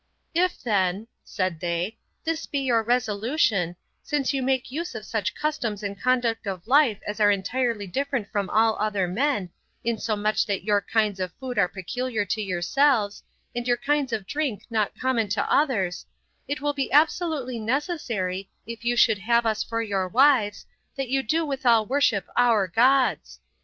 "If then," said they, "this be your resolution, since you make use of such customs and conduct of life as are entirely different from all other men, 12 insomuch that your kinds of food are peculiar to yourselves, and your kinds of drink not common to others, it will be absolutely necessary, if you would have us for your wives, that you do withal worship our gods.